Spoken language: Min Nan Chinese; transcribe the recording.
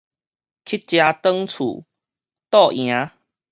乞食轉厝，倒營